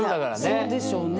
いやそうでしょうね。